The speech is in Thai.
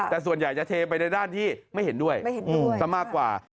แต่ส่วนใหญ่จะเทไปในด้านที่ไม่เห็นด้วยไม่เห็นซะมากกว่า